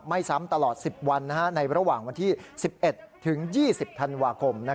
ซ้ำตลอด๑๐วันในระหว่างวันที่๑๑ถึง๒๐ธันวาคม